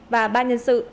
và ba nhân sự